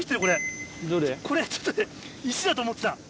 これちょっと待って石だと思ってた。